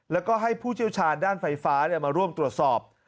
แล้วก็ให้ผู้เชี่ยวชาญด้านไฟฟ้ามาร่วมตรวจสอบ